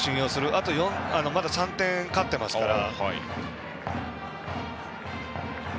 あとは、まだ３点勝っていますから。